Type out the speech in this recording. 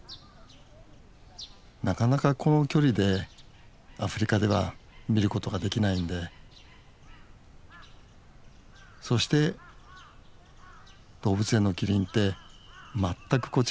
なかなかこの距離でアフリカでは見ることができないんでそして動物園のキリンって全くこちらを気にしない。